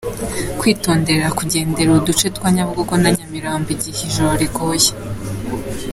-Kwitondera kugenderera uduce twa Nyabugogo na Nyamirambo igihe ijoro riguye